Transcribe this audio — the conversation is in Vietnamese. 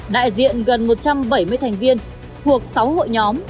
đại diện gần một trăm bảy mươi thành viên thuộc sáu hội nhóm